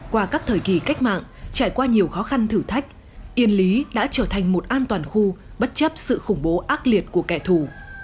qua các thời kỳ cách mạng trải qua nhiều khó khăn thử thách yên lý đã trở thành một an toàn khu bất chấp sự khủng bố ác liệt của kẻ thù